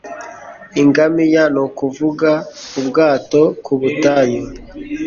Ingamiya ni ukuvuga ubwato ku butayu.